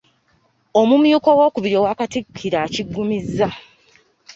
Omumyuka owookubiri owa Katikkiro akiggumizza.